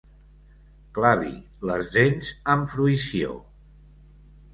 Clavi les dents amb fruïció.